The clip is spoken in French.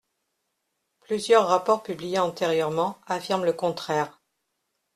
Plusieurs rapports publiés antérieurement affirment le contraire.